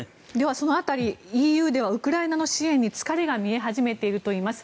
その辺りＥＵではウクライナの支援に疲れが見え始めているといいます。